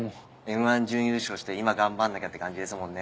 『Ｍ−１』準優勝して今頑張んなきゃって感じですもんね。